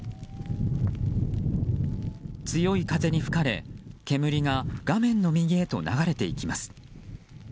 強い風に吹かれ、煙が画面の右へと流れていきます。